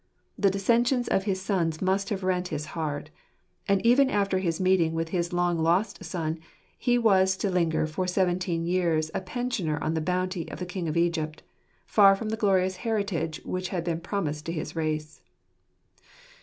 The dissensions of his sons must have rent his heart. And even after his meeting with his long lost son he was to linger for seventeen years a pensioner on the bounty of the king of Egypt : far from the glorious heritage which had been promised to his race.